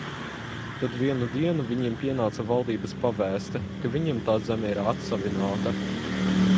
Tad vienu dienu viņiem pienāca valdības pavēste, ka viņiem tā zeme ir atsavināta.